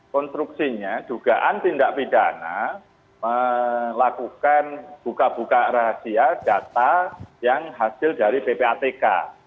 konstruksinya dugaan tindak pidana melakukan buka buka rahasia data yang hasil dari ppatk